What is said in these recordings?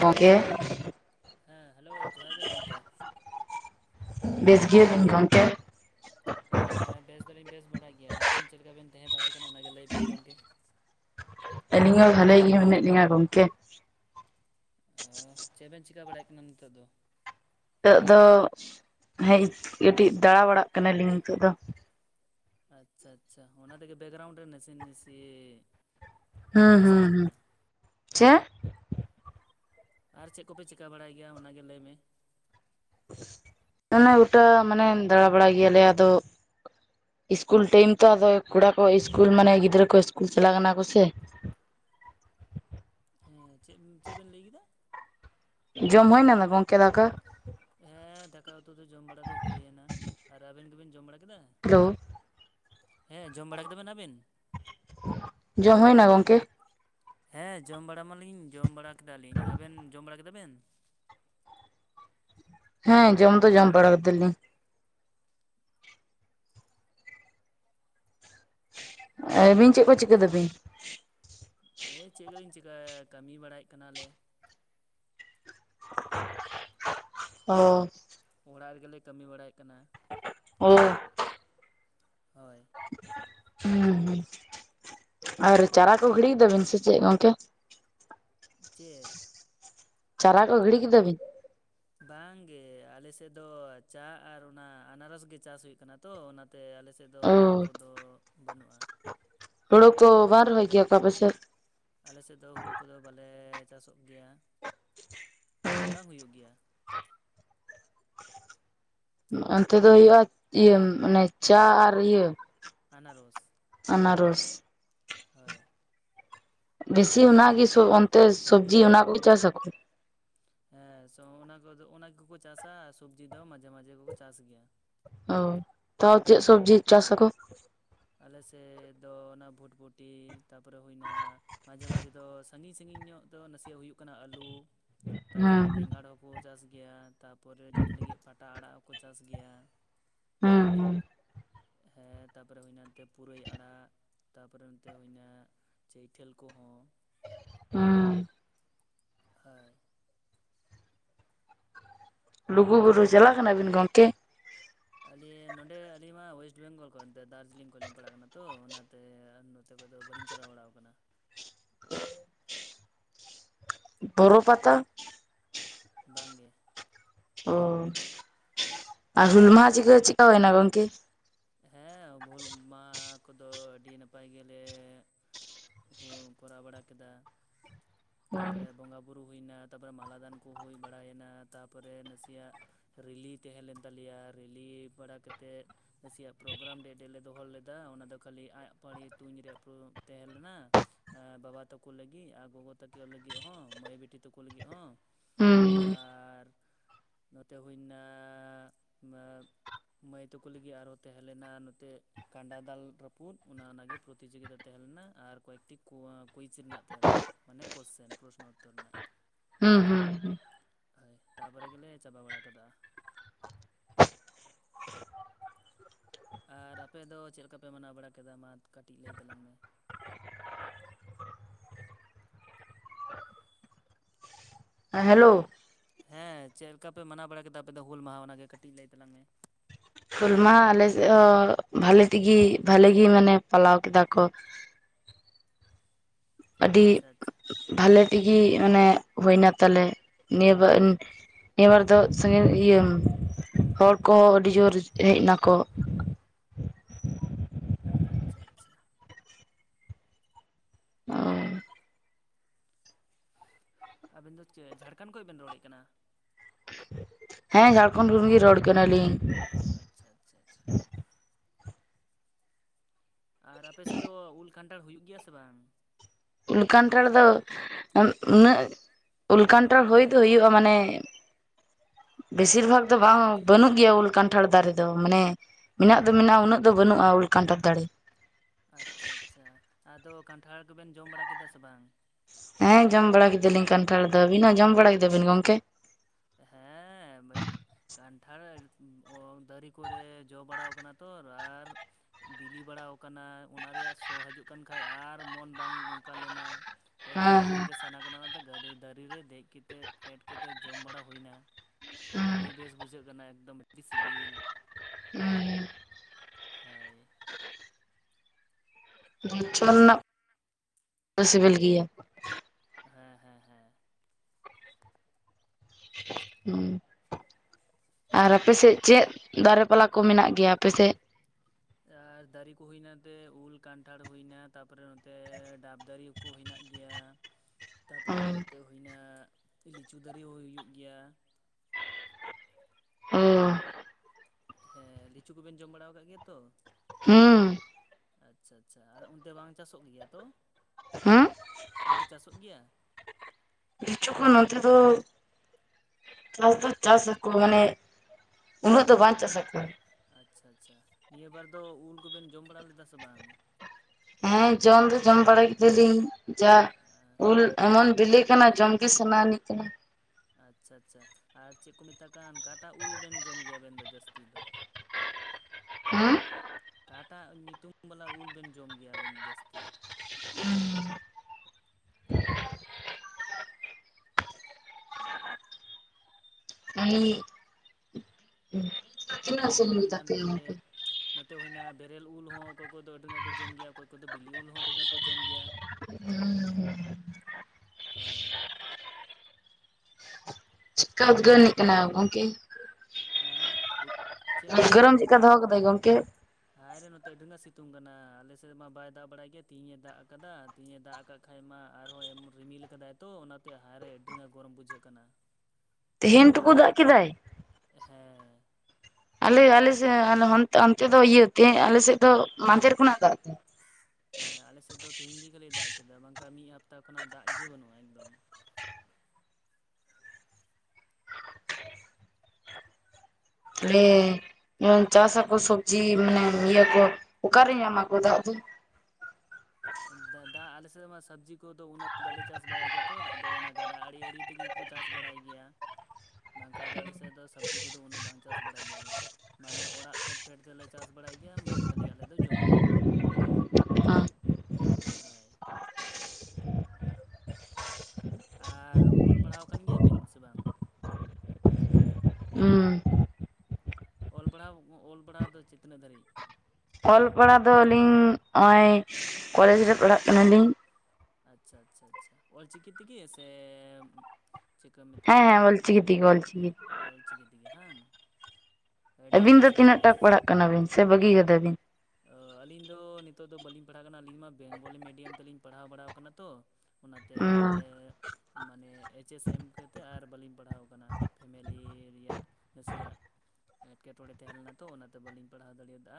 ᱦᱮᱸ ᱜᱚᱝᱠᱮ, ᱦᱮᱸ ᱦᱮᱞᱳ ᱡᱚᱦᱟᱨ ᱜᱮ ᱜᱚᱝᱠᱮ ᱾ ᱵᱮᱥ ᱜᱮᱭᱟᱵᱤᱱ ᱜᱚᱝᱠᱮ? ᱦᱮᱸ ᱵᱮᱥ ᱫᱚᱞᱤᱧ ᱵᱮᱥ ᱵᱟᱲᱟᱜ ᱜᱮᱭᱟ᱾ ᱟᱵᱮᱱ ᱪᱮᱫ ᱞᱮᱠᱟ ᱵᱮᱱ ᱛᱟᱦᱮᱸ ᱵᱟᱲᱟᱭ ᱠᱟᱱᱟ ᱚᱱᱟ ᱜᱮ ᱞᱟᱹᱭ ᱵᱮᱱ ᱜᱚᱢᱠᱮ? ᱟᱹᱞᱤᱧ ᱦᱚᱸ ᱵᱷᱟᱞᱮ ᱜᱮ ᱢᱮᱱᱟᱜ ᱞᱤᱧᱟᱹ ᱜᱚᱝᱠᱮ᱾ ᱪᱮᱫᱵᱮᱱ ᱪᱤᱠᱟ ᱵᱟᱲᱟᱭᱮᱫ ᱠᱟᱱᱟ ᱱᱤᱛᱚᱜ ᱫᱚ? ᱱᱤᱛᱚᱜ ᱫᱚ ᱦᱮᱸ ᱠᱟᱹᱴᱤᱡ ᱫᱟᱬᱟ ᱵᱟᱲᱟᱜ ᱠᱟᱱᱟ ᱞᱤᱧ ᱱᱤᱛᱚᱜ ᱫᱚ, ᱟᱪᱪᱷᱟ ᱟᱪᱪᱷᱟ, ᱚᱱᱟ ᱛᱮ ᱜᱮ ᱵᱮᱠᱜᱨᱟᱣᱩᱱᱰ ᱨᱮ ᱱᱟᱥᱮ ᱱᱟᱥᱮ ᱦᱩᱸ ᱵᱷᱚᱭᱮᱥ ᱦᱩᱸ ᱦᱤᱡᱩᱜ ᱦᱩᱸ᱾ ᱠᱟᱱᱟ ᱪᱮᱫ? ᱟᱨ ᱪᱮᱫ ᱠᱚ ᱯᱮ ᱪᱤᱠᱟᱹ ᱵᱟᱲᱟᱭ ᱜᱮᱭᱟ ᱚᱱᱟ ᱜᱮ ᱞᱟᱹᱭ ᱢᱮ? ᱚᱱᱮ ᱜᱚᱴᱟ ᱢᱟᱱᱮ ᱫᱟᱬᱟ ᱵᱟᱲᱟᱭ ᱜᱮᱭᱟᱞᱮ ᱟᱫᱚ ᱤᱥᱠᱩᱞ ᱴᱟᱭᱤᱢ ᱛᱚ ᱟᱫᱚ ᱠᱚᱲᱟ ᱠᱚ ᱤᱥᱠᱩᱞ ᱢᱟᱱᱮ ᱜᱤᱫᱽᱨᱟᱹ ᱠᱚ ᱤᱥᱠᱩᱞ ᱪᱟᱞᱟᱣ ᱠᱟᱱᱟ ᱠᱚ ᱥᱮ᱾ ᱦᱮᱸ ᱪᱮᱜ ᱪᱮᱫ ᱵᱮᱱ ᱞᱟᱹᱭ ᱠᱮᱫᱟ? ᱡᱚᱢ ᱦᱩᱭᱱᱟ ᱱᱟ ᱜᱚᱢᱠᱮ ᱫᱟᱠᱟ? ᱦᱮᱸ ᱫᱟᱠᱟ ᱩᱛᱩ ᱫᱚ ᱡᱚᱢ ᱵᱟᱲᱟ ᱫᱚ ᱦᱩᱭᱱᱟ, ᱟᱨ ᱟᱵᱮᱱ ᱫᱚᱵᱮᱱ ᱡᱚᱢ ᱵᱟᱲᱟ ᱠᱮᱫᱟ? ᱦᱮᱞᱳ ᱦᱮᱸ ᱡᱚᱢ ᱵᱟᱲᱟ ᱠᱮᱫᱟ ᱵᱮᱱ ᱟᱵᱮᱱ? ᱡᱚᱢ ᱦᱳᱭᱱᱟ ᱜᱚᱝᱠᱮ? ᱦᱮᱸ ᱡᱚᱢ ᱵᱟᱲᱟ ᱢᱟᱞᱤᱧ ᱡᱚᱢ ᱵᱟᱲᱟ ᱠᱮᱫᱟᱞᱤᱧ, ᱟᱵᱮᱱ ᱡᱚᱢ ᱵᱟᱲᱟ ᱠᱮᱫᱟ ᱵᱮᱱ? ᱦᱮᱸ ᱡᱚᱢ ᱫᱚ ᱡᱚᱢ ᱵᱟᱲᱟ ᱠᱮᱫᱟᱞᱤᱧ᱾ ᱟᱹᱵᱤᱱ ᱪᱮᱫ ᱠᱚ ᱟᱪᱪᱷᱟ ᱪᱤᱠᱟᱹ ᱫᱟᱹᱵᱤᱱ? ᱮ ᱪᱮᱫᱞᱤᱧ ᱪᱮᱠᱟᱭᱟ ᱠᱟᱹᱢᱤ ᱵᱟᱲᱟᱭᱮᱫ ᱠᱟᱱᱟᱞᱮ᱾ [unintelligible] ᱚ ᱚᱲᱟᱜ ᱨᱮᱜᱮᱞᱮ ᱠᱟᱹᱢᱤ ᱵᱟᱲᱟᱭᱮᱜ ᱠᱟᱱᱟ᱾ [unintelligible] ᱳ [inaudible] ᱦᱳᱭ ᱦᱩᱸ ᱦᱩᱸ ᱟᱨ ᱪᱟᱨᱟ ᱠᱚ ᱜᱤᱲᱤ ᱠᱮᱫᱟᱵᱤᱱ ᱥᱮ ᱪᱮᱫ ᱜᱚᱝᱠᱮ? ᱪᱮᱫ ᱪᱟᱨᱟ ᱠᱚ ᱜᱤᱲᱤ ᱠᱮᱫᱟ ᱵᱤᱱ? ᱵᱟᱝ ᱜᱮ ᱟᱞᱮᱥᱮᱫ ᱫᱚ ᱪᱟ ᱟᱨ ᱚᱱᱟ ᱟᱱᱟᱨᱚᱥ ᱜᱮ ᱪᱟᱥ ᱦᱩᱭᱩᱜ ᱠᱟᱱᱟ ᱛᱚ ᱚᱱᱟ ᱛᱮ ᱟᱞᱮᱥᱮᱫ ᱫᱚ ᱚᱱᱟ ᱚ ᱠᱚᱫᱚ ᱵᱟᱹᱱᱩᱜᱼᱟ᱾ ᱦᱲᱳ ᱠᱚ ᱵᱟ ᱨᱚᱦᱚᱭ ᱜᱮᱭᱟ ᱠᱚ ᱟᱯᱮ ᱥᱮᱫ? ᱟᱞᱮ ᱥᱮᱫ ᱫᱚ ᱦᱩᱲᱩ ᱠᱚᱫᱚ ᱵᱟᱞᱮ ᱪᱟᱥᱚᱜ ᱜᱮᱭᱟ ᱵᱟᱝ ᱦᱩᱭᱩᱜ ᱜᱮᱭᱟ᱾ ᱚᱱᱛᱮ ᱫᱚ ᱦᱩᱭᱩᱜᱼᱟ ᱤᱭᱟᱹ ᱚᱱᱮ ᱪᱟ ᱟᱨ ᱤᱭᱟᱹ? ᱟᱱᱟᱨᱚᱥ ᱟᱱᱟᱨᱚᱥ ᱦᱳᱭ ᱵᱮᱥᱤ ᱚᱱᱟᱜᱮ ᱥᱚ ᱚᱱᱛᱮ ᱥᱚᱵᱽᱡᱤ ᱚᱱᱟ ᱠᱚ ᱪᱟᱥ ᱟᱠᱚ? ᱦᱮᱸ ᱥᱚ ᱚᱱᱟ ᱠᱚᱫᱚ ᱚᱱᱟ ᱜᱮᱠᱚ ᱪᱟᱥᱟ ᱥᱚᱵᱡᱤ ᱫᱚ ᱢᱟᱡᱷᱮ ᱢᱟᱡᱷᱮ ᱠᱚᱠᱚ ᱪᱟᱥ ᱜᱮᱭᱟ᱾ ᱳ ᱛᱟᱣ ᱪᱮᱫ ᱥᱚᱵᱽᱡᱤ ᱪᱟᱥ ᱟᱠᱚ? ᱟᱞᱮ ᱥᱮᱫ ᱫᱚ ᱚᱱᱟ ᱵᱷᱩᱴᱵᱷᱩᱴᱤ ᱛᱟᱯᱚᱨᱮ ᱦᱩᱭᱱᱟ ᱢᱟᱡᱷᱮ ᱢᱟᱡᱷᱮ ᱫᱚ ᱥᱟᱺᱜᱤᱧ ᱥᱟᱺᱜᱤ ᱧᱚᱜ ᱫᱚ ᱱᱟᱥᱮᱭᱟᱜ ᱦᱩᱭᱩᱜ ᱠᱟᱱᱟ ᱟᱞᱩ ᱛᱟᱯᱚᱨᱮ ᱦᱩᱸ ᱵᱮᱸᱜᱟᱲ ᱦᱚᱸᱠᱚ ᱪᱟᱥ ᱜᱮᱭᱟ᱾ ᱛᱟᱯᱚᱨᱮ ᱡᱚᱢ ᱞᱟᱹᱜᱤᱫ ᱯᱟᱴᱟ ᱟᱲᱟᱜ ᱦᱚᱸᱠᱚ ᱪᱟᱥ ᱜᱮᱭᱟ᱾ ᱦᱚᱸ ᱦᱚᱸ ᱦᱮᱸ ᱛᱟᱨᱯᱚᱨᱮ ᱦᱩᱭᱱᱟ ᱮᱱᱛᱮ ᱯᱩᱨᱟᱹᱭ ᱟᱲᱟᱜ, ᱛᱟᱯᱚᱨᱮ ᱚᱱᱛᱮ ᱦᱩᱭᱱᱟ ᱪᱟᱹᱭᱴᱷᱮᱞ ᱠᱚᱦᱚᱸ, ᱦᱚᱸᱻ ᱦᱳᱭ ᱞᱩᱜᱩᱵᱩᱨᱩ ᱪᱟᱞᱟᱣ ᱠᱟᱱᱟᱵᱤᱱ ᱜᱚᱝᱠᱮ? ᱟᱞᱤᱧ ᱱᱚᱸᱰᱮ ᱟᱹᱞᱤᱧᱢᱟ ᱚᱭᱮᱥᱴ ᱵᱮᱝᱜᱚᱞ ᱠᱷᱚᱱ ᱫᱟ ᱫᱟᱨᱡᱤᱞᱤᱝ ᱠᱷᱚᱱᱞᱤᱧ ᱯᱟᱲᱟᱜ ᱠᱟᱱᱟ ᱛᱚ ᱚᱱᱟᱛᱮ ᱛᱚᱵᱮ ᱫᱚ ᱵᱟᱹᱞᱤᱧ ᱪᱟᱞᱟᱣ ᱵᱟᱲᱟ ᱟᱠᱟᱱᱟ᱾ ᱵᱚᱨᱚ ᱯᱟᱛᱟ? ᱵᱟᱝᱜᱮ ᱚ ᱟᱨ ᱦᱩᱞ ᱢᱟᱦᱟ ᱪᱤᱠᱟᱹ ᱪᱮᱫᱠᱟ ᱦᱩᱭᱱᱟ ᱜᱚᱝᱠᱮ? ᱦᱮᱸ ᱵᱷᱩᱞ ᱢᱟ ᱠᱚᱫᱚ ᱟᱹᱰᱤ ᱱᱟᱯᱟᱭ ᱜᱮᱞᱮ ᱦᱩᱸ ᱠᱚᱨᱟᱣ ᱵᱟᱲᱟ ᱠᱮᱫᱟ, ᱦᱩᱸ ᱛᱟᱯᱚᱨᱮ ᱵᱚᱸᱜᱟ ᱵᱩᱨᱩ ᱦᱩᱭᱱᱟ ᱛᱟᱯᱚᱨᱮ ᱢᱟᱞᱟᱫᱟᱱ ᱠᱚ ᱦᱩᱭ ᱵᱟᱲᱟᱭᱮᱱᱟ ᱛᱟᱯᱚᱨᱮ ᱱᱟᱥᱮᱭᱟᱜ ᱨᱮᱞᱤ ᱛᱟᱦᱮᱸ ᱞᱮᱱ ᱛᱟᱞᱮᱭᱟ ᱨᱮᱞᱤ ᱵᱟᱲᱟ ᱠᱟᱛᱮᱫ ᱥᱮᱭᱟᱜ ᱯᱨᱳᱜᱨᱟᱢ ᱰᱮ ᱰᱮᱡ ᱞᱮ ᱫᱚᱦᱚ ᱞᱮᱫᱟ ᱚᱱᱟ ᱫᱚ ᱠᱷᱟᱹᱞᱤ ᱟᱜ ᱯᱟᱹᱲᱤ ᱛᱩᱧ ᱨᱟᱯᱩ ᱛᱟᱦᱮᱸ ᱞᱮᱱᱟ! ᱵᱟᱵᱟ ᱛᱟᱠᱚ ᱞᱟᱹᱜᱤᱫ ᱟᱨ ᱜᱚᱜᱚ ᱛᱟᱠᱚ ᱞᱟᱹᱜᱤᱫ ᱦᱚᱸ ᱢᱟᱹᱭ ᱵᱤᱴᱤ ᱛᱟᱠᱚ ᱞᱟᱹᱜᱤᱫ ᱦᱚᱸ ᱾ ᱦᱩᱸ ᱟᱨ‌‌ ᱱᱚᱛᱮ ᱦᱩᱭᱱᱟ ᱢᱟᱹᱭ ᱛᱟᱠᱚ ᱞᱟᱹᱜᱤᱫ ᱟᱨᱦᱚᱸ ᱛᱟᱦᱮᱸ ᱞᱮᱱᱟ ᱱᱚᱛᱮ ᱠᱟᱸᱰᱟ ᱫᱟᱞ ᱨᱟᱹᱯᱩᱫ ᱚᱱᱟ ᱚᱱᱟᱜᱮ ᱯᱨᱚᱛᱤᱡᱳᱜᱤᱛᱟ ᱛᱟᱦᱮᱸ ᱞᱮᱱᱟ ᱟᱨ ᱠᱚᱭᱮᱠᱴᱤ ᱠᱩᱭᱤᱪ ᱨᱮᱱᱟᱜ ᱛᱟᱦᱮᱸ ᱞᱮᱱᱟ ᱾ ᱢᱟᱱᱮ ᱠᱚᱳᱥᱪᱮᱱ ᱯᱨᱚᱥᱱᱚ ᱩᱛᱚᱨ ᱱᱟᱜ ᱦᱩᱸ ᱦᱩᱸ ᱦᱩᱸ ᱦᱳᱭ ᱛᱟᱯᱚᱨᱮ ᱜᱮᱞᱮ ᱪᱟᱵᱟ ᱵᱟᱲᱟ ᱠᱟᱫᱟ ᱟᱨ ᱟᱯᱮ ᱫᱚ ᱪᱮᱫ ᱞᱮᱠᱟ ᱯᱮ ᱢᱟᱱᱟᱣ ᱵᱟᱲᱟ ᱠᱮᱫᱟ? ᱢᱟ ᱠᱟᱹᱴᱤᱡ ᱞᱟᱹᱭ ᱛᱟᱞᱟᱝ ᱢᱮ ᱦᱮᱸ ᱦᱮᱞᱳ ᱦᱮᱸ ᱪᱮᱫ ᱞᱮᱠᱟ ᱯᱮ ᱢᱟᱱᱟᱣ ᱵᱟᱲᱟ ᱠᱮᱫᱟ ᱟᱯᱮ ᱫᱚ ᱦᱩᱞ ᱢᱟᱦᱟ ᱚᱱᱟᱜᱮ ᱠᱟᱹᱴᱤᱡ ᱞᱟᱹᱭ ᱛᱟᱞᱟᱝ ᱢᱮ ᱦᱩᱞ ᱢᱟᱦᱟ ᱟᱞᱮ ᱥᱮᱫ ᱦᱚᱸ ᱵᱷᱟᱞᱮ ᱛᱮᱜᱤ ᱵᱷᱟᱞᱮᱜᱮ ᱢᱟᱱᱮ ᱯᱟᱞᱟᱣ ᱠᱮᱫᱟ ᱠᱚ ᱟᱹᱰᱤ ᱟᱪᱪᱷᱟ ᱟᱪᱪᱷᱟ ᱵᱷᱟᱞᱮ ᱛᱮᱜᱮ ᱢᱟᱱᱮ ᱦᱩᱭᱱᱟ ᱛᱟᱞᱮ ᱱᱤᱭᱟᱹ ᱵᱟᱨ ᱱᱤᱭᱟᱹᱵᱟᱨ ᱫᱚ ᱥᱟᱺᱜᱤᱧ ᱤᱭᱟᱹ ᱦᱚᱲ ᱠᱚᱦᱚᱸ ᱟᱹᱰᱤ ᱡᱳᱨ ᱦᱮᱡᱱᱟ ᱠᱚ ᱟᱪᱪᱷᱟ ᱟᱪᱪᱷᱟ [inaudible] ᱟᱵᱤᱱ ᱫᱚ ᱪᱮᱜ ᱡᱷᱟᱲᱠᱷᱟᱱ ᱠᱷᱚᱡ ᱵᱮᱱ ᱨᱚᱲᱮᱜ ᱠᱟᱱᱟ ᱾ ᱦᱮᱸ ᱡᱷᱟᱲᱠᱷᱚᱸᱰ ᱠᱷᱚᱱᱜᱮ ᱨᱚᱲ ᱠᱟᱱᱟᱞᱤᱧ ᱟᱪᱪᱷᱟ ᱟᱪᱪᱷᱟ ᱟᱪᱪᱷᱟ ᱟᱨ ᱟᱯᱮ ᱥᱮᱫ ᱫᱚ ᱩᱞ ᱠᱟᱱᱴᱷᱟᱲ ᱦᱩᱭᱩᱜ ᱜᱮᱭᱟ ᱥᱮ ᱵᱟᱝ? ᱩᱞ ᱠᱟᱱᱛᱷᱟᱲ ᱫᱚ ᱩᱱᱟᱹᱜ ᱩᱞ ᱠᱟᱱᱴᱷᱟᱲ ᱦᱩᱭ ᱫᱚ ᱦᱩᱭᱩᱜᱼᱟ ᱢᱟᱱᱮ ᱵᱮᱥᱤᱨ ᱵᱷᱟᱜᱽ ᱫᱚ ᱵᱟᱝ ᱵᱟᱹᱱᱩᱜ ᱜᱮᱭᱟ ᱩᱞ ᱠᱟᱱᱴᱷᱟᱲ ᱫᱟᱨᱮ ᱫᱚ ᱢᱟᱱᱮ ᱢᱮᱱᱟᱜ ᱫᱚ ᱢᱮᱱᱟᱜᱼᱟ ᱩᱱᱟᱹᱜ ᱫᱚ ᱵᱟᱹᱱᱩᱜᱼᱟ ᱩᱞ ᱠᱟᱱᱴᱟᱲ ᱫᱟᱲᱮ ᱟᱪᱪᱷᱟ ᱟᱪᱪᱷᱟ ᱟᱫᱚ ᱠᱟᱱᱴᱷᱟᱲ ᱠᱚᱵᱮᱱ ᱡᱚᱢ ᱵᱟᱲᱟ ᱠᱮᱫᱟ ᱥᱮ ᱵᱟᱝ? ᱦᱮᱸ ᱡᱚᱢ ᱵᱟᱲᱟ ᱠᱮᱫᱟᱞᱤᱧ ᱠᱟᱱᱴᱷᱟᱲ ᱫᱚ ᱟᱹᱵᱤᱱᱦᱚ ᱡᱚᱢ ᱵᱟᱲᱟ ᱠᱮᱫᱟᱵᱤᱱ ᱜᱚᱝᱠᱮ ᱦᱮᱸ ᱠᱟᱱᱴᱷᱟᱲ ᱫᱟᱨᱮ ᱠᱚᱨᱮ ᱡᱚ ᱵᱟᱲᱟᱣ ᱟᱠᱟᱱᱟ ᱛᱚ ᱟᱨ ᱵᱤᱞᱤ ᱵᱟᱲ ᱠᱟᱱᱟ ᱚᱱᱟ ᱨᱮᱭᱟᱜ ᱥᱚ ᱦᱤᱡᱩᱜ ᱠᱟᱱ ᱠᱷᱟᱡ ᱟᱨ ᱢᱚᱱ ᱵᱟᱝ ᱚᱱᱠᱟ ᱞᱮᱱᱟ ᱮᱠᱫᱚᱢ ᱦᱮᱸ ᱡᱚᱡᱚᱢ ᱜᱮ ᱥᱟᱱᱟ ᱠᱟᱱᱟ ᱚᱱᱟᱛᱮ ᱫᱟᱨᱮ ᱨᱮ ᱫᱮᱡ ᱠᱟᱛᱮᱫ ᱯᱷᱮᱰ ᱠᱟ ᱠᱟᱛᱮᱫ ᱡᱚᱢ ᱵᱟᱲᱟ ᱦᱩᱭ ᱮᱱᱟ ᱦᱮᱸ ᱟᱹᱰᱤ ᱵᱮᱥ ᱵᱩᱡᱷᱟᱹᱜ ᱠᱟᱱᱟ ᱮᱠᱫᱚᱢ ᱟᱹᱰᱤ ᱥᱤᱵᱤᱞ ᱦᱩᱸ [unintelligible] ᱦᱳᱭ ᱱᱤᱪᱚᱞ ᱱᱟᱯ ᱥᱤᱵᱤᱞ ᱜᱮᱭᱟ ᱦᱮᱸ ᱦᱮᱸ ᱦᱮᱸ ᱦᱩᱸ [unintelligible] ᱟᱨ ᱟᱯᱮᱥᱮᱫ ᱪᱮᱫ? ᱫᱟᱨᱮ ᱯᱟᱞᱟ ᱠᱚ ᱢᱮᱱᱟᱜ ᱜᱮᱭᱟ ᱟᱯᱮᱥᱮᱫ ᱟᱨ ᱫᱟᱨᱮ ᱠᱩ ᱦᱩᱭᱱᱟ ᱱᱚᱛᱮ ᱩᱞ ᱠᱟᱱᱴᱷᱟᱲ ᱦᱩᱭᱱᱟ ᱛᱟᱯᱚᱨᱮ ᱱᱚᱛᱮ ᱰᱟᱵ ᱫᱟᱨᱮ ᱠᱚ ᱦᱮᱱᱟᱜ ᱜᱮᱭᱟ [inaudible] ᱛᱟᱯᱚᱨᱮ ᱱᱚᱛᱮ ᱦᱩᱭᱱᱟ ᱞᱤᱪᱩ ᱫᱟᱨᱮ ᱦᱚᱸ ᱦᱩᱭᱩᱜ ᱜᱮᱭᱟ ᱚ ᱦᱮᱸ ᱞᱤᱪᱩ ᱠᱚᱵᱮᱱ ᱡᱚᱢ ᱵᱟᱲᱟ ᱠᱟᱜ ᱜᱮᱭᱟ ᱛᱚ ᱦᱩᱸ ᱟᱪᱪᱷᱟ ᱟᱪᱪᱷᱟ ᱟᱨ ᱚᱱᱛᱮ ᱵᱟᱝ ᱪᱟᱥᱚᱜ ᱜᱮᱭᱟ ᱛᱚ ᱦᱩᱸ ᱚᱱᱛᱮ ᱪᱟᱥᱚᱜ ᱜᱮᱭᱟ? ᱠᱤᱪᱷᱩ ᱠᱷᱚᱱ ᱱᱚᱛᱮ ᱫᱚ ᱪᱟᱥ ᱫᱚ ᱪᱟᱥ ᱟᱠᱚ ᱢᱟᱱᱮ ᱩᱱᱟᱹᱜ ᱫᱚ ᱵᱟᱝ ᱪᱟᱥᱟᱠᱚ ᱟᱪᱪᱷᱟ ᱟᱪᱪᱷᱟ ᱱᱤᱭᱟᱹ ᱵᱟᱨ ᱫᱚ ᱩᱞ ᱠᱚᱵᱮᱱ ᱡᱚᱢ ᱵᱟᱲᱟ ᱞᱮᱫᱟ ᱥᱮ ᱵᱟᱝ? ᱦᱮᱸ ᱡᱚᱢ ᱫᱚ ᱡᱚᱢ ᱵᱟᱲᱟ ᱠᱮᱫᱟᱞᱤᱧ ᱡᱟ ᱩᱞ ᱮᱢᱚᱱ ᱵᱤᱞᱤ ᱠᱟᱱᱟ ᱡᱚᱢᱜᱮ ᱥᱟᱱᱟ ᱟᱱᱤᱡ ᱠᱟᱱᱟ ᱟᱪᱪᱷᱟ ᱟᱪᱪᱷᱟ ᱟᱨ ᱪᱮᱜ ᱠᱚ ᱢᱮᱛᱟᱜ ᱠᱟᱱ ᱠᱟᱴᱟᱜ ᱩᱞ ᱵᱮᱱ ᱡᱚᱢ ᱜᱮᱭᱟ ᱟᱵᱮᱱ ᱫᱚ ᱡᱟᱹᱥᱛᱤ ᱫᱚ ᱦᱮᱸ ᱚᱠᱟᱴᱟᱜ ᱧᱩᱛᱩᱢ ᱵᱟᱞᱟ ᱩᱞ ᱵᱮᱱ ᱡᱚᱢ ᱜᱮᱭᱟᱵᱮᱱ ᱡᱟᱹᱥᱛᱤ? [unintelligible] ᱛᱤᱱᱟᱹᱜ ᱡᱮᱢᱚᱱ ᱥᱟᱺᱜᱤᱧ ᱦᱩᱭᱱᱟ ᱛᱟᱯᱮᱭᱟ ᱮᱱᱛᱮ ᱜᱚᱝᱠᱮ ᱱᱚᱛᱮ ᱦᱩᱭᱱᱟ ᱵᱮᱨᱮᱞ ᱩᱞ ᱦᱚᱸ ᱚᱠᱚᱭ ᱠᱚᱫᱚ ᱟᱹᱰᱤ ᱨᱟᱸᱜᱟ ᱠᱚ ᱡᱚᱢ ᱜᱮᱭᱟ ᱚᱠᱚᱭ ᱠᱚᱫᱚ ᱵᱤᱞᱤ ᱩᱞ ᱦᱚᱸ ᱟᱹᱰᱤ ᱨᱟᱸᱜᱟ ᱠᱚ ᱡᱚᱢ ᱜᱮᱭᱟ᱾ ᱩᱸ ᱦᱳᱭ ᱪᱮᱫ ᱠᱟ ᱩᱫᱽᱜᱟᱹᱨᱟᱱᱤᱡ ᱠᱟᱱᱟ ᱜᱚᱝᱠᱮ ᱦᱮᱸ ᱩᱫ ᱪᱮᱫ ᱵᱮᱱ ᱢᱮᱱ ᱩᱫᱽᱜᱟᱹᱨᱟᱢ ᱠᱮᱫᱟ? ᱪᱮᱫᱠᱟ ᱫᱚᱦᱚ ᱠᱟᱫᱟᱭ ᱜᱚᱝᱠᱮ ᱦᱟᱭᱨᱮ ᱱᱚᱛᱮ ᱟᱹᱰᱤ ᱨᱟᱸᱜᱟ ᱥᱤᱛᱩᱝ ᱠᱟᱱᱟ ᱟᱞᱮᱥᱮᱫ ᱢᱟ ᱵᱟᱭ ᱫᱟᱜ ᱵᱟᱲᱟᱭ ᱜᱮᱭᱟ ᱛ ᱛᱮᱦᱤᱧᱮ ᱫᱟᱜ ᱟᱠᱟᱫᱟ᱾ ᱛᱤᱦᱧᱮ ᱫᱟᱜ ᱟᱠᱟᱫ ᱠᱷᱟᱡ ᱢᱟ ᱟᱨᱚ ᱮᱢᱚᱱ ᱨᱤᱢᱤᱞ ᱟᱠᱟᱫᱟᱭ ᱛᱚ, ᱚᱱᱟᱛᱮ ᱦᱟᱭ ᱨᱮ ᱟᱹᱰᱤ ᱨᱟᱸᱜᱟ ᱜᱚᱨᱚᱢ ᱵᱩᱡᱷᱟᱹᱜ ᱠᱟᱱᱟ᱾ ᱛᱦᱮᱧ ᱴᱩᱠᱩ ᱫᱟᱜ ᱠᱮᱫᱟᱭ? ᱦᱮᱸ ᱟᱞᱮ ᱟᱞᱮ ᱥᱮᱫ ᱦᱚᱱ ᱚᱱᱛᱮ ᱫᱚ ᱤᱭᱟᱹ ᱛᱮ ᱟᱞᱮᱥᱮᱫ ᱫᱚ ᱢᱟᱫᱷᱮᱨ ᱠᱷᱚᱱᱟᱜ ᱫᱟᱜ ᱮᱫᱟ᱾ ᱮᱸ ᱟᱞᱮᱥᱮᱫ ᱫᱚ ᱛᱤᱦᱤᱧ ᱜᱤ ᱠᱷᱟᱞᱤ ᱫᱟᱜ ᱠᱮᱫᱟ ᱵᱟᱝᱠᱷᱟᱱ ᱢᱤᱫ ᱦᱟᱯᱛᱟ ᱠᱷᱚᱱᱟᱜ ᱫᱟᱜ ᱜᱮ ᱵᱟᱹᱱᱩᱜᱼᱟ ᱮᱠᱫᱚᱢ ᱛᱟᱦᱞᱮ ᱡᱮᱢᱚᱱ ᱪᱟᱥ ᱟᱠᱚ ᱥᱚᱵᱽᱡᱤ ᱢᱟᱱᱮ ᱤᱭᱟᱹ ᱠᱚ ᱚᱠᱟᱨᱮ ᱧᱟᱢᱟᱠᱚ ᱫᱟᱜ ᱫᱚ? ᱫᱟᱜ ᱟᱞᱮ ᱥᱮᱫ ᱨᱮᱢᱟ ᱥᱚᱵᱽᱡᱤ ᱠᱚᱫᱚ ᱩᱱᱟᱹᱜ ᱵᱟᱞᱮ ᱪᱟᱥ ᱵᱟᱲᱟᱭ ᱜᱮᱭᱟ ᱛᱚ, ᱟᱫᱚ ᱚᱱᱟ ᱜᱟᱰᱟ ᱟᱲᱮ ᱟᱲᱮ ᱛᱮᱜᱮ ᱠᱚ ᱪᱟᱥ ᱵᱟᱲᱟᱭ ᱜᱮᱭᱟ᱾ ᱵᱟᱝᱠᱷᱟᱱ ᱫᱚ ᱟᱞᱮᱥᱮᱫ ᱫᱚ ᱥᱚᱵᱽᱡᱤ ᱠᱚᱫᱚ ᱩᱱᱟᱹᱜ ᱵᱟᱝ ᱪᱟᱥ ᱵᱟᱲᱟᱭ ᱜᱮᱭᱟᱞᱮ ᱢᱟᱱᱮ ᱚᱲᱟᱜ ᱯᱷᱮᱰ ᱯᱷᱮᱰ ᱛᱮᱞᱮ ᱪᱟᱥ ᱵᱟᱲᱟᱭ ᱜᱮᱭᱟ ᱢᱟ ᱠᱷᱟᱹᱞᱤ ᱟᱞᱮ ᱫᱚ ᱡᱚᱢ ᱞᱟᱹᱜᱤᱫ᱾ ᱚ ᱦᱳᱭ ᱟᱨ ᱚᱞ ᱯᱟᱲᱦᱟᱣ ᱟᱠᱟᱱ ᱜᱮᱭᱟ ᱵᱤᱱ ᱥᱮ ᱵᱟᱝ? ᱦᱩᱸ ᱚᱞ ᱯᱟᱲᱟᱣ ᱚᱞ ᱯᱟᱲᱟᱣ ᱫᱚ ᱛᱤᱱᱟᱹᱜ ᱫᱷᱟᱹᱨᱤᱡ ᱚᱞ ᱯᱟᱲᱦᱟᱣ ᱫᱚ ᱟᱹᱞᱤᱧ ᱱᱚᱜᱼᱚᱭ ᱠᱚᱞᱮᱡᱽ ᱨᱮ ᱯᱟᱲᱦᱟᱜ ᱠᱟᱱᱟ ᱞᱤᱧ? ᱟᱪᱪᱷᱟ ᱟᱪᱪᱷᱟ ᱟᱪᱪᱷᱟ ᱚᱞᱪᱤᱠᱤ ᱛᱮᱜᱮ ᱥᱮ ᱪᱮᱫ ᱦᱮᱸ ᱦᱮᱸ ᱚᱞ ᱪᱤᱠᱤ ᱛᱮᱜᱮ ᱚᱞ ᱪᱤᱠᱤ᱾ ᱚᱞ ᱪᱤᱠᱤ ᱛᱮᱜᱮ ᱦᱟᱸᱝ ᱟᱹᱵᱤᱱ ᱫᱚ ᱛᱤᱱᱟᱹᱜ ᱴᱟ ᱯᱟᱲᱦᱟᱜ ᱠᱟᱱᱟ ᱵᱤᱱ ᱥᱮ ᱵᱟᱹᱜᱤ ᱠᱟᱫᱟ ᱵᱤᱱ ᱟᱹᱞᱤᱧ ᱫᱚ ᱱᱤᱛᱚᱜ ᱫᱚ ᱵᱟᱹᱞᱤᱧ ᱯᱟᱲᱦᱟᱜ ᱠᱟᱱᱟ, ᱟᱹᱞᱤᱧ ᱢᱟ ᱵᱮᱝᱜᱽᱞᱤ ᱢᱤᱰᱤᱭᱟᱢ ᱛᱮᱞᱤᱧ ᱯᱟᱲᱦᱟᱣ ᱵᱟᱲᱟᱟᱣ ᱠᱟᱱᱟ ᱛᱚ᱾ ᱚᱱᱟ ᱛᱮ ᱦᱩᱸ ᱢᱟᱱᱮ ᱮ ᱪᱮᱥ ᱮᱢ ᱠᱟᱛᱮᱫ ᱟᱨ ᱵᱟᱹᱞᱤᱧ ᱯᱟᱲᱦᱟᱣ ᱟᱠᱟᱱᱟ ᱯᱷᱮᱢᱮᱞᱤ ᱨᱮᱭᱟᱜ ᱱᱟᱥᱮᱭᱟᱜ ᱮᱸᱴᱠᱮᱴᱚᱬᱮ ᱛᱟᱦᱮᱸ ᱞᱮᱱᱟ ᱛᱚ ᱚᱱᱟᱛᱮ ᱵᱟᱹᱞᱤᱧ ᱯᱟᱲᱦᱟᱣ ᱫᱟᱲᱮᱭᱟᱫᱟ᱾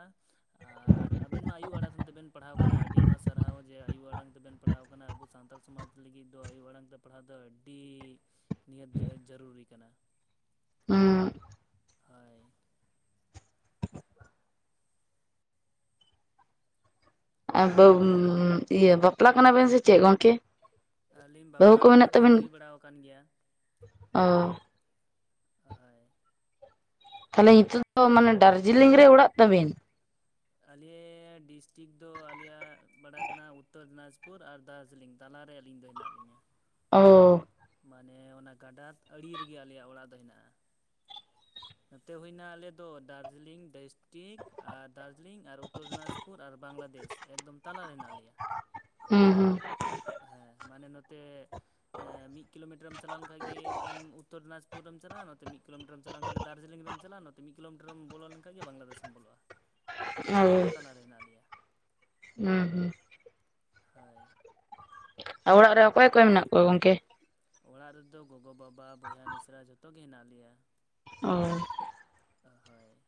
ᱟᱨ ᱟᱵᱮᱱ ᱢᱟ ᱟᱭᱩ ᱟᱲᱟᱝ ᱛᱮ ᱛᱮᱵᱮᱱ ᱯᱟᱲᱦᱟᱣ ᱟᱠᱟᱱᱟ ᱟᱹᱰᱤ ᱢᱟ ᱥᱟᱨᱦᱟᱣ ᱡᱮ ᱟᱭᱩ ᱟᱲᱟᱝ ᱛᱮᱵᱮᱱ ᱯᱟᱲᱦᱟᱣ ᱟᱠᱟᱱᱟ ᱟᱵᱚ ᱥᱟᱱᱛᱟᱞ ᱥᱚᱢᱟᱡᱽ ᱞᱟᱹᱜᱤᱫ ᱫᱚ ᱟᱭᱳ ᱟᱲᱟᱝ ᱛᱮ ᱯᱟᱲᱦᱟᱣ ᱫᱚ ᱟᱹᱰᱤ ᱱᱤᱦᱟᱹᱛᱤ ᱡᱟᱹᱨᱩᱨᱤ ᱠᱟᱱᱟ᱾ ᱦᱚᱭ ᱟᱨ ᱤᱭᱟᱹ ᱵᱟᱯᱞᱟ ᱠᱟᱱᱟ ᱵᱮᱱ ᱥᱮ ᱪᱮᱫ ᱜᱚᱢᱠᱮ? ᱟᱹᱞᱤᱧ ᱵᱟᱯᱞᱟᱼ ᱴᱟᱯᱞᱟ ᱫᱚ ᱦᱩᱭ ᱵᱟᱲ ᱟᱠᱟᱱ ᱜᱮᱭᱟ᱾ ᱚ ᱦᱚᱭ ᱛᱟᱦᱚᱞᱮ ᱱᱤᱛᱚᱜ ᱫᱚ ᱢᱟᱱᱮ ᱰᱟᱨᱡᱤᱞᱤᱝ ᱨᱮ ᱚᱲᱟᱜ ᱛᱟᱵᱤᱱ ᱟᱞᱮ ᱰᱤᱥᱴᱤᱠ ᱫᱚ ᱟᱞᱮᱭᱟᱜ ᱯᱟᱲᱟᱜ ᱠᱟᱱᱟ ᱩᱛᱛᱚᱨ ᱫᱤᱱᱟᱡᱽᱯᱩᱨ ᱟᱨ ᱫᱟᱨᱡᱤᱞᱤᱝ ᱛᱟᱞᱟᱨᱮ ᱟᱹᱞᱤᱧ ᱫᱚ ᱦᱮᱱᱟᱜ ᱞᱤᱧᱟᱹ᱾ ᱳ ᱢᱟᱱᱮ ᱚᱱᱟ ᱜᱟᱰᱟ ᱟᱲᱮ ᱨᱮᱜᱮ ᱟᱞᱮᱭᱟᱜ ᱚᱲᱟᱜ ᱫᱚ ᱦᱮᱱᱟᱜᱼᱟ᱾ ᱱᱚᱛᱮ ᱦᱩᱭᱱᱟ ᱟᱞᱮᱫᱚ ᱫᱟᱨᱡᱤᱞᱤᱝ ᱰᱮᱥ ᱴᱤᱠ ᱟᱨ ᱫᱟᱨᱡᱤᱞᱤᱝ ᱟᱨ ᱩᱛᱛᱚᱨ ᱫᱤᱱᱟᱡᱽᱯᱩᱨ ᱟᱨ ᱵᱟᱝᱞᱟᱫᱮᱥ ᱮᱠᱫᱚᱢ ᱛᱟᱞᱟᱨᱮ ᱦᱮᱱᱟᱜ ᱞᱤᱧᱟ᱾ ᱦᱮᱸ ᱦᱩᱸ ᱦᱮᱸ ᱢᱟᱱᱮ ᱱᱚᱛᱮ ᱢᱤᱫ ᱠᱤᱞᱳᱢᱤᱴᱟᱨᱮᱢ ᱪᱟᱞᱟᱣ ᱞᱮᱱᱠᱷᱟᱱ ᱜᱮ ᱟᱢ ᱩᱛᱚᱨ ᱫᱤᱱᱟᱡᱽᱯᱩᱨ ᱮᱢ ᱪᱟᱞᱟᱜᱼᱟ ᱱᱚᱛᱮ ᱢᱤᱫ ᱠᱤᱞᱳᱢᱤᱴᱟᱨ ᱮᱢ ᱪᱟᱞᱟᱣ ᱞᱮᱱᱟᱱ ᱜᱮ ᱫᱟᱨᱡᱤᱞᱤᱝ ᱨᱮᱢ ᱪᱟᱞᱟᱜᱼᱟ ᱱᱚᱛᱮ ᱢᱤᱫ ᱠᱤᱞᱳᱢᱤᱴᱟᱨᱮᱢ ᱵᱚᱞᱚ ᱞᱮᱠᱷᱟᱱ ᱜᱮ ᱵᱟᱝᱞᱟᱫᱮᱹᱥᱮᱢ ᱵᱚᱞᱚᱜᱼᱟ ᱦᱮᱸ ᱨᱮ ᱦᱮᱱᱟᱜ ᱞᱮᱭᱟ ᱦᱩᱸ ᱦᱩᱸ ᱦᱳᱭ ᱟᱨ ᱚᱲᱟᱜ ᱨᱮ ᱚᱠᱚᱭ ᱚᱠᱚᱭ ᱢᱮᱱᱟᱜ ᱠᱚᱣᱟ ᱜᱚᱝᱠᱮ ᱚᱲᱟᱜ ᱨᱮᱫᱚ ᱜᱚᱜᱚᱼᱵᱟᱵᱟ ᱵᱚᱭᱦᱟ ᱢᱤᱥᱨᱟ ᱡᱷᱚᱛᱚ ᱜᱮ ᱦᱮᱱᱟᱜ ᱞᱮᱭᱟ ᱚ ᱦᱳᱭ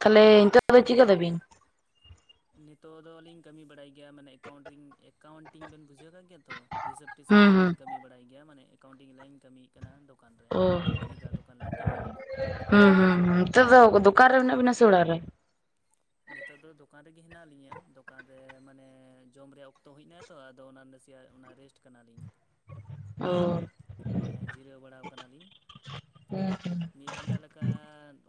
ᱛᱟᱦᱞᱮ ᱱᱤᱛᱚᱜ ᱫᱚ ᱪᱤᱠᱟᱹᱭ ᱫᱟᱵᱤᱱ ᱱᱤᱛᱚᱜ ᱫᱚᱞᱤᱧ ᱠᱟᱹᱢᱤ ᱵᱟᱲᱟᱭ ᱜᱮᱭᱟ ᱢᱟᱱᱮ ᱮᱠᱟᱣᱩᱱᱴ ᱨᱮᱧ ᱮᱠᱟᱣᱩᱱᱴᱤᱝ ᱵᱮᱱ ᱵᱩᱡᱷᱟᱹᱣ ᱟᱠᱟᱫ ᱜᱮᱭᱟ ᱛᱚ ᱦᱤᱥᱟᱹᱵᱽ ᱴᱤᱥᱟᱹᱵᱽ ᱦᱩᱸ ᱨᱮᱭᱟᱜ ᱦᱩᱸ ᱟᱞᱤᱧ ᱠᱟᱹᱢᱤ ᱵᱟᱲᱟᱭ ᱜᱮᱭᱟ ᱢᱟᱱᱮ ᱮᱠᱟᱣᱩᱱᱴᱤᱝ ᱞᱟᱭᱤᱱ ᱠᱟᱹᱢᱤ ᱠᱟᱱᱟ ᱫᱚᱠᱟᱱ ᱨᱮ ᱚ ᱢᱟᱹᱟᱞᱤᱠᱟᱜ ᱫᱚᱠᱟᱱ ᱨᱮᱞᱤᱧ ᱠᱟᱹᱢᱤ ᱠᱟᱱᱟ ᱦᱩᱸ ᱦᱩᱸ ᱦᱩ ᱱᱤᱛᱚᱜ ᱫᱚ ᱫᱚᱠᱟᱱ ᱨᱮ ᱢᱮᱱᱟᱜ ᱵᱤᱱᱟ ᱥᱮ ᱚᱲᱟᱜ ᱨᱮ ᱱᱤᱛᱚᱜ ᱫᱚ ᱫᱚᱠᱟᱱ ᱨᱮᱜᱮ ᱦᱮᱱᱟᱜ ᱞᱤᱧᱟᱹ ᱫᱚᱠᱟᱱ ᱨᱮ ᱢᱟᱱᱮ ᱡᱚᱢ ᱨᱮᱭᱟᱜ ᱚᱠᱛᱚ ᱦᱩᱭ ᱮᱱᱟ ᱛᱚ ᱟᱫᱚ ᱚᱱᱟ ᱱᱟᱥᱮᱭᱟᱜ ᱚᱱᱟ ᱨᱮᱥᱴ ᱠᱟᱱᱟᱞᱤᱧ ᱚ ᱦᱮᱸ ᱡᱤᱨᱟᱹᱣ ᱵᱟᱲᱟ ᱠᱟᱱᱟᱞᱤᱧ ᱦᱩᱸ ᱦᱩᱸ ᱢᱤᱫ ᱜᱷᱟᱱᱴᱟ ᱞᱮᱠᱟ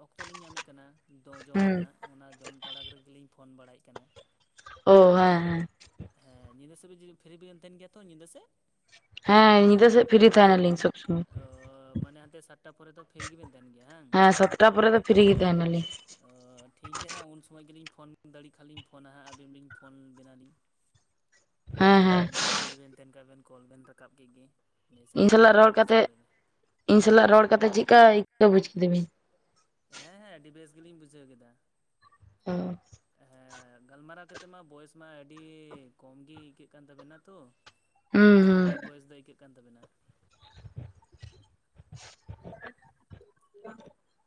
ᱚᱠᱛᱚ ᱞᱤᱧ ᱧᱟᱢᱮᱫ ᱠᱟᱱᱟ ᱫᱚ ᱡᱚᱢ ᱦᱩᱸ ᱨᱮᱱᱟᱜ ᱚᱱᱟ ᱡᱚᱢ ᱛᱟᱲᱟᱠ ᱨᱮᱜᱮ ᱞᱤᱧ ᱯᱷᱳᱱ ᱵᱟᱲᱟᱭᱮᱫ ᱠᱟᱱᱟ ᱚ ᱦᱮᱸ ᱦᱮᱸ ᱦᱮᱸ ᱧᱤᱫᱟᱹ ᱥᱮᱫ ᱯᱷᱨᱤ ᱵᱤᱱ ᱛᱟᱦᱮᱸᱱ ᱜᱮᱭᱟ ᱛᱚ ᱧᱤᱫᱟᱹ ᱥᱮᱫ ᱦᱮᱸ ᱧᱤᱫᱟᱹ ᱥᱮᱫ ᱯᱷᱤᱨᱤ ᱛᱟᱦᱮᱱᱟ ᱞᱤᱧ ᱥᱚᱵ ᱥᱚᱢᱚᱭ ᱚ ᱢᱟᱱᱮ ᱦᱟᱱᱛᱮ ᱥᱟᱛᱴᱟ ᱯᱚᱨᱮ ᱫᱚ ᱯᱷᱤᱨᱤ ᱜᱮᱵᱮᱱ ᱛᱟᱦᱮᱱ ᱜᱮᱭᱟ ᱦᱟᱝ ᱦᱮᱸ ᱥᱟᱛᱴᱟ ᱯᱚᱨᱮ ᱫᱚ ᱯᱷᱤᱨᱤ ᱜᱮ ᱛᱟᱦᱮᱱᱟ ᱞᱤᱧ ᱚ ᱴᱷᱤᱠᱜᱮᱭᱟ ᱦᱟᱸᱜ ᱩᱱ ᱥᱚᱢᱚᱭ ᱜᱮᱞᱤᱧ ᱯᱷᱳᱱ ᱫᱟᱲᱮᱭᱟᱜ ᱠᱷᱟᱱ ᱞᱤᱧ ᱯᱷᱳᱱᱟ ᱦᱟᱸᱜ ᱟᱹᱵᱤᱱ ᱞᱤᱧ ᱯᱷᱳᱱ ᱵᱤᱱᱟ ᱞᱤᱧ ᱦᱮᱸ ᱡᱩᱫᱤ ᱦᱮᱸ ᱵᱮᱱ ᱯᱷᱨᱤ ᱵᱮᱱ ᱛᱟᱦᱮᱸᱱ ᱠᱷᱟᱡ ᱵᱮᱱ ᱠᱚᱞ ᱵᱮᱱ ᱨᱟᱠᱟᱵ ᱠᱮᱫ ᱜᱮ ᱢᱮᱥᱮᱡ ᱤᱧ ᱟᱹᱞᱤᱧ ᱥᱟᱞᱟᱜ ᱦᱟᱜ ᱨᱚᱲ ᱦᱳᱣᱟᱴᱥᱮᱯ ᱠᱟᱛᱮᱜ ᱨᱮᱜᱮ ᱤᱧ ᱥᱟᱞᱟᱜ ᱨᱚᱲ ᱠᱟᱛᱮᱫ ᱪᱮᱫ ᱞᱮᱠᱟ ᱟᱹᱭᱠᱟᱹᱭ ᱵᱩᱡ ᱠᱮᱫᱟ ᱵᱤᱱ ᱦᱮᱸ ᱦᱮᱸ ᱟᱹᱰᱤ ᱵᱮᱥ ᱜᱮᱞᱤᱧ ᱵᱩᱡᱷᱟᱹᱣ ᱠᱮᱫᱟ ᱦᱚᱸ ᱦᱮᱸ ᱜᱟᱞᱢᱟᱨᱟᱣ ᱠᱟᱛᱮᱜ ᱢᱟ ᱵᱚᱭᱮᱥ ᱢᱟ ᱟᱹᱰᱤ ᱠᱚᱢ ᱜᱮ ᱟᱹᱭᱠᱟᱹᱜ ᱠᱟᱱ ᱛᱟᱵᱮᱱᱟ ᱛᱚ ᱦᱩᱸ ᱟᱹᱰᱤ ᱠᱟᱹᱴᱤᱡ ᱦᱩᱸ ᱜᱮ ᱵᱚᱭᱮᱥ ᱫᱚ ᱟᱹᱭᱠᱟᱹᱜ ᱠᱟᱱ ᱛᱟᱵᱮᱱᱟ [unintelligible]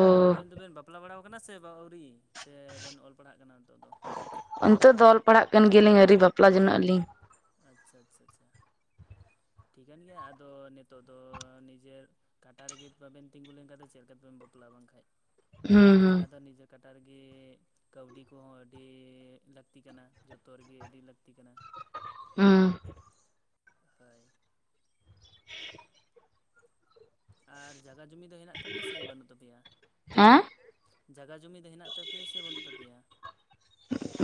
ᱚ ᱟᱨ ᱟᱵᱮᱱ ᱫᱚᱵᱮᱱ ᱵᱟᱯᱞᱟ ᱵᱟᱲᱟ ᱟᱠᱟᱱᱟ ᱥᱮ ᱵᱟ ᱟᱹᱣᱨᱤ ᱥᱮ ᱵᱮᱱ ᱚᱞ ᱯᱟᱲᱦᱟᱜ ᱠᱟᱱᱟ ᱱᱤᱛᱚᱜ ᱫᱚ ᱱᱤᱛᱳᱜ ᱫᱚ ᱚᱞ ᱯᱟᱲᱦᱟᱜ ᱠᱟᱱ ᱜᱮᱭᱟᱞᱤᱧ ᱟᱹᱣᱨᱤ ᱵᱟᱯᱞᱟ ᱡᱚᱱᱚᱜ ᱟᱞᱤᱧ ᱟᱪᱪᱷᱟ ᱟᱪᱪᱷᱟ ᱟᱪᱪᱷᱟ ᱴᱷᱤᱠᱟᱹᱱ ᱜᱮᱭᱟ ᱟᱫᱚ ᱱᱤᱛᱚᱜ ᱫᱚ ᱱᱤᱡᱮᱨ ᱠᱟᱴᱟ ᱨᱮᱜᱮ ᱵᱟᱵᱮᱱ ᱛᱤᱸᱜᱩ ᱞᱮᱱᱠᱷᱟᱱ ᱫᱚ ᱪᱮᱫ ᱞᱮᱠᱟᱛᱮᱵᱮᱱ ᱵᱟᱯᱞᱟᱼᱟ ᱵᱟᱝᱠᱷᱟᱱ ᱦᱩᱸ ᱦᱩᱸ ᱞᱟᱦᱟ ᱫᱚ ᱱᱤᱡᱮ ᱠᱟᱴᱟ ᱨᱮᱜᱮ ᱠᱟᱹᱣᱰᱤ ᱠᱚᱦᱚᱸ ᱟᱹᱰᱤ ᱞᱟᱹᱠᱛᱤ ᱠᱟᱱᱟ ᱡᱚᱛᱚ ᱨᱮᱜᱮ ᱟᱹᱰᱤ ᱞᱟᱹᱠᱛᱤ ᱠᱟᱱᱟ ᱦᱩᱸ ᱦᱚᱭ ᱟᱨ ᱡᱟᱭᱜᱟ ᱡᱚᱢᱤ ᱫᱚ ᱦᱮᱱᱟᱜ ᱛᱟᱯᱮᱭᱟ ᱥᱮ ᱵᱟᱹᱱᱩᱜ ᱛᱟᱯᱮᱭᱟ ᱦᱮᱸ ᱡᱟᱭᱜᱟ ᱡᱩᱢᱤ ᱫᱚ ᱦᱮᱱᱟᱜ ᱛᱟᱯᱮᱭᱟ ᱥᱮ ᱵᱟᱹᱱᱩᱜ ᱛᱟᱯᱮᱭᱟ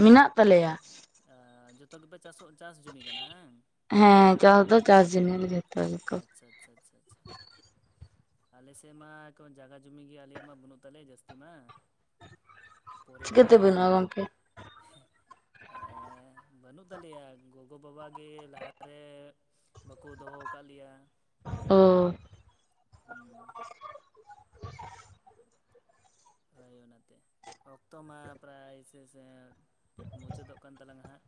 ᱢᱮᱱᱟᱜ ᱛᱟᱞᱮᱭᱟ ᱟ ᱡᱚᱛᱚ ᱜᱮᱯᱮ ᱪᱟᱥᱚᱜ ᱪᱟᱥ ᱡᱩᱢᱤ ᱠᱟᱱᱟ ᱦᱮᱸ ᱦᱮᱸ ᱡᱟᱭᱜᱟ ᱠᱚ ᱪᱟᱥ ᱫᱚ ᱪᱟᱥ ᱡᱤᱱᱤᱥ ᱫᱚ ᱡᱚᱛᱚ ᱜᱮᱠᱚ ᱟᱪᱪᱷᱟ ᱟᱪᱪᱷᱟ ᱟᱪᱪᱷᱟ ᱟᱪᱪᱷᱟ ᱟᱞᱮᱵᱥᱮᱫ ᱢᱟ ᱠᱚᱱᱚ ᱡᱟᱭᱜᱟ ᱡᱩᱢᱤ ᱜᱮ ᱟᱞᱮᱭᱟᱜ ᱢᱟ ᱵᱟᱹᱱᱩᱜ ᱛᱟᱞᱮᱭᱟ ᱡᱟᱹᱥᱛᱤ ᱢᱟ ᱯᱚᱨᱮ ᱫᱟᱜ ᱪᱤᱠᱟᱹᱛᱮ ᱜᱮ ᱵᱟᱹᱱᱩᱜᱼᱟ ᱢᱟᱞᱮ ᱜᱚᱝᱠᱮ ᱵᱟᱹᱱᱩᱜ ᱛᱟᱞᱮᱭᱟ ᱜᱚᱜᱚ ᱵᱟᱵᱟᱜ ᱜᱮ ᱞᱟᱦᱟᱨᱮ ᱵᱟᱠᱚ ᱫᱚᱦᱚ ᱟᱠᱟᱫ ᱞᱮᱭᱟ ᱚ ᱦᱩᱸ [inaudible] ᱦᱳᱭ ᱚᱱᱟᱛᱮ ᱚᱠᱛᱚ ᱢᱟ ᱯᱨᱟᱭ ᱥᱮᱥ ᱥᱮ ᱢᱩᱪᱟᱹᱫᱚᱜ ᱠᱟᱱ ᱛᱟᱞᱟᱝ-ᱟ ᱦᱟᱸᱜ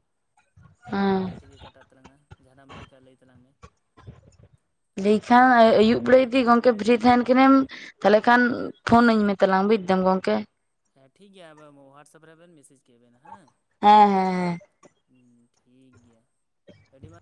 ᱦᱮᱸ ᱟᱡᱛᱮᱜᱮ ᱠᱟᱴᱟᱜ ᱛᱟᱞᱟᱝ ᱟ ᱡᱟᱦᱟᱱᱟᱜ ᱮᱢ ᱞᱟᱹᱭ ᱠᱷᱟᱱ ᱞᱟᱹᱭ ᱛᱟᱞᱟᱝ ᱢᱮ ᱞᱟᱹᱭ ᱠᱷᱟᱱ ᱟᱹᱭᱩᱵ ᱵᱮᱲᱟ ᱡᱩᱫᱤ ᱜᱚᱝᱠᱮ ᱯᱷᱤᱨᱤ ᱛᱟᱦᱮᱱ ᱠᱟᱱᱟᱮᱢ ᱛᱟᱦᱚᱞᱮ ᱠᱷᱟᱱ ᱯᱷᱳᱱᱟᱹᱧ ᱢᱮ ᱛᱟᱞᱟᱝ ᱵᱩᱡᱫᱟᱢ ᱜᱚᱢᱠᱮ ᱦᱮᱸ ᱴᱷᱤᱠᱜᱮᱭᱟ ᱟᱵᱮᱱ ᱦᱳᱣᱟᱴᱥᱮᱯ ᱨᱮ ᱟᱵᱮᱱ ᱢᱮᱥᱮᱡᱽ ᱠᱮ ᱵᱮᱱ ᱦᱮᱸ ᱦᱮᱸ ᱦᱮᱸ ᱦᱮᱸ ᱦᱩᱸ ᱴᱷᱤᱠ ᱜᱮᱭᱟ ᱟᱹᱰᱤ ᱢᱟ